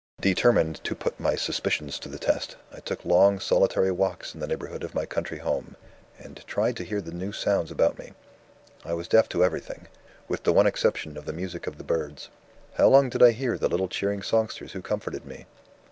Determined to put my suspicions to the test, I took long solitary walks in the neighborhood of my country home, and tried to hear the new sounds about me. I was deaf to everything with the one exception of the music of the birds. "How long did I hear the little cheering songsters who comforted me?